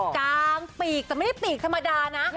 กลางปีกแต่ไม่ได้ปีกธรรมดานะ